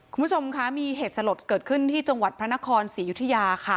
คุณผู้ชมคะมีเหตุสลดเกิดขึ้นที่จังหวัดพระนครศรียุธยาค่ะ